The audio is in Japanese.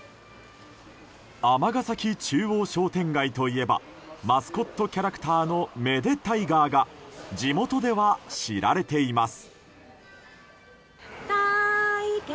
尼崎中央商店街といえばマスコットキャラクターのめでタイガーが地元では知られています。